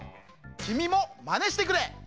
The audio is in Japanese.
きみもまねしてくれ！